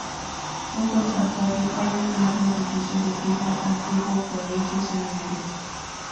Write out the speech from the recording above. Junto al Santuario hay un enorme edificio de piedra, antiguo colegio-seminarista.